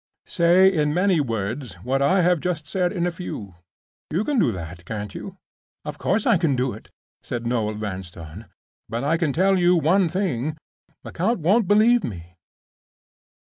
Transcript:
Say in many words what I have just said in a few. You can do that, can't you?" "Of course I can do it," said Noel Vanstone. "But I can tell you one thing—Lecount won't believe me."